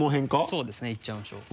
そうですねいっちゃいましょう。